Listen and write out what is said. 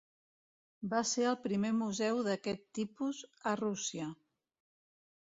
Va ser el primer museu d'aquest tipus a Rússia.